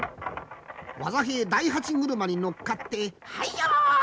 技平大八車に乗っかってはいよ！